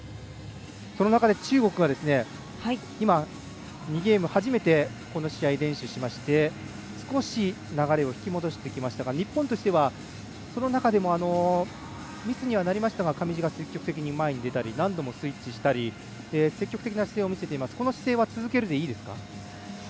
その中で中国が今、２ゲーム、初めてこの試合連取しまして少し流れを引き戻してきましたが日本としてはその中でミスにはなりましたが上地が積極的に前に出たり何度もスイッチしたり積極的な姿勢を見せていますがこれは続けていいですか？